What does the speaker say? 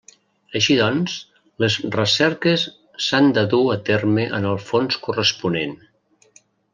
Així doncs, les recerques s'han de dur a terme en el fons corresponent.